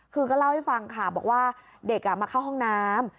คือก็เล่าให้ฟังค่ะบอกว่าเด็กมาเข้าห้องน้ำ